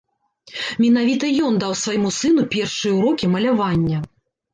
Менавіта ён даў свайму сыну першыя ўрокі малявання.